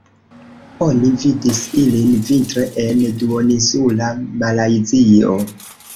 Oni vidis ilin vintre en duoninsula Malajzio.